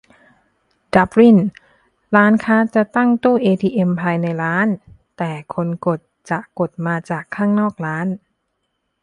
ดับลิน : ร้านค้าจะตั้งตู้เอทีเอ็มภายในร้าน แต่คนกดจะกดมาจากข้างนอกร้าน